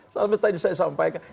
sampai tadi saya sampaikan